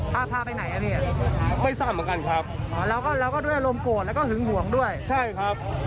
เขาจะทำผมผมก็ต้องป้องกันตัวครับ